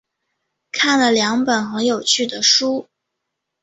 看了两本很有兴趣的书